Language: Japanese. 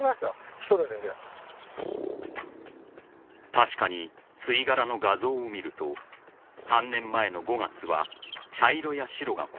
［確かに吸い殻の画像を見ると３年前の５月は茶色や白が混在していたが］